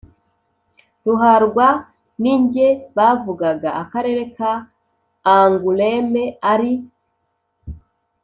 ruharwa ninjye bavugaga. akarere ka angoulême, ari